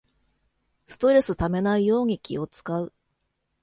ストレスためないように気をつかう